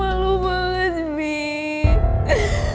aku mau ke sekolah